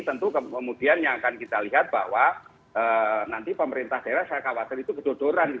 tentu kemudian yang akan kita lihat bahwa nanti pemerintah daerah saya khawatir itu kedodoran